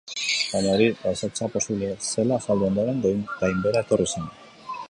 Baina hori gauzatzea posible zela azaldu ondoren, gainbehera etorri zen.